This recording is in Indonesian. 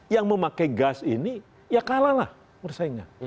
yang memakai gas ini ya kalah lah persaingan